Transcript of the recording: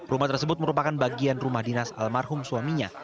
rumah tersebut merupakan bagian rumah dinas almarhum suaminya